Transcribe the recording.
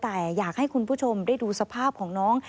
แต่อยากให้คุณผู้ชมได้ดูสภาพของน้อง